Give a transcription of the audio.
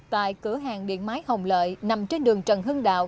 tại cửa hàng điện máy hồng lợi nằm trên đường trần hưng đạo